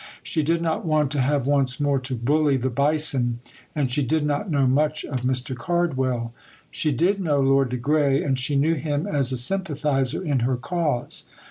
She did not want to have once more to "bully the Bison," and she did not know much of Mr. Cardwell. She did know Lord de Grey, and she knew him as a sympathiser in her cause.